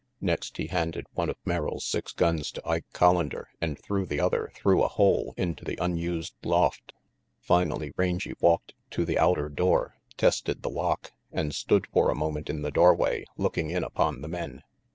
Next he handed one of Merrill's six guns to Ike Collander, and threw the other through a hole into the unused loft. Finally Rangy walked to the outer door, tested the lock, and stood for a moment in the doorway looking in upon the men.